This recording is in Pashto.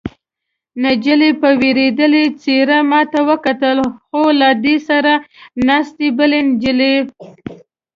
نجلۍ په وېرېدلې څېره ما ته وکتل، خو له دې سره ناستې بلې نجلۍ.